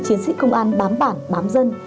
chiến sĩ công an bám bảng bám dân